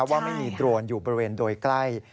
ว่าไม่มีโดรนอยู่บริเวณโดยใกล้